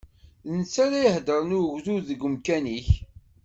D netta ara iheddṛen i ugdud deg umkan-ik.